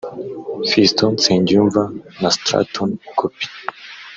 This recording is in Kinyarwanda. Fiston Nsengiyunva na Sruthin Gopi